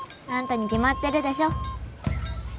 あんたに決まってるでしょ